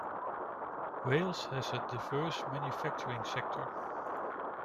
Wales has a diverse manufacturing sector.